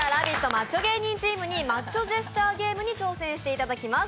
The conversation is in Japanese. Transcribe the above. マッチョ芸人チームにマッチョジェスチャーゲームに挑戦していただきます。